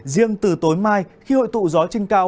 riêng từ tối mai khi hội tụ gió trên cao